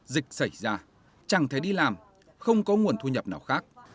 dịch xảy ra chẳng thể đi làm không có nguồn thu nhập nào khác